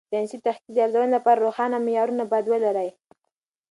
د ساینسي تحقیق د ارزونې لپاره روښانه معیارونه باید ولري.